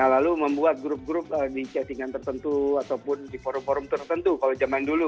lalu membuat grup grup di chatting an tertentu ataupun di forum forum tertentu kalau zaman dulu